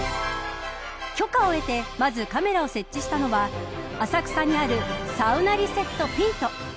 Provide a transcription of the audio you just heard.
許可を得てまずカメラを設置したのは浅草にあるサウナリセット・ピント。